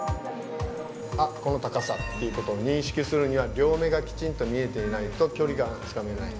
あっこの高さっていうことを認識するには両目がきちんと見えていないと距離感がつかめない。